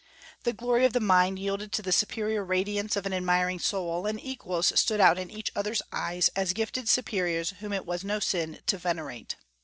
The glory of the mind yielded to the superior radiance of an admiring soul, and equals stood out in each other's eyes as gifted superiors whom it was no sin to venerate.